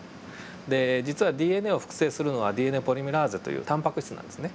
で実はＤＮＡを複製するのはＤＮＡポリメラーゼというタンパク質なんですね。